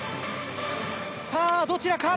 さあ、どちらか？